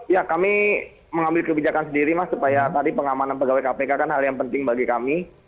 ya kami mengambil kebijakan sendiri mas supaya tadi pengamanan pegawai kpk kan hal yang penting bagi kami